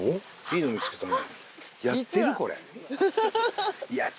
いいの見つけたね。